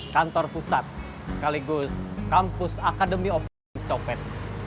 kantor pusat sekaligus kampus academy of cokpet